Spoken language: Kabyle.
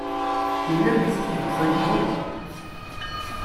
Yella uyefki deg ufrigu?